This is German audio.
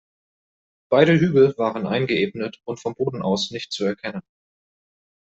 Beide Hügel waren eingeebnet und vom Boden aus nicht zu erkennen.